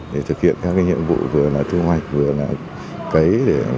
để thực hiện các cái nhiệm vụ vừa là thu hoạch vừa là cấy